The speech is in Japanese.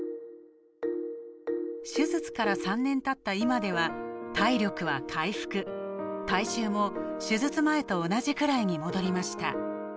手術から３年たった今では体力は回復体重も手術前と同じくらいに戻りました。